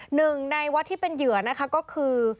หนึ่งในวัดที่เป็นเหยื่อนะคะก็คือ